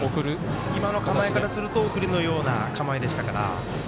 今の構えからすると送りのような構えでしたから。